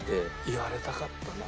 言われたかったな。